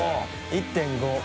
１．５。